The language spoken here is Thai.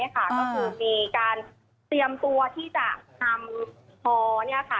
ก็คือมีการเตรียมตัวที่จะนำฮอเนี่ยค่ะ